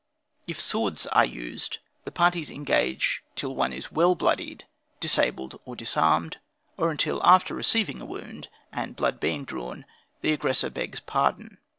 "If swords are used, the parties engage till one is well blooded, disabled or disarmed; or until, after receiving a wound, and blood being drawn, the aggressor begs pardon.